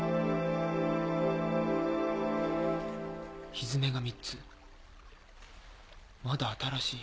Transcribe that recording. ひづめが３つまだ新しい。